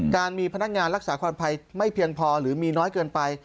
การมีพนักงานรักษาความปลอดภัยไม่เพียงพอหรือมีน้อยเกินไป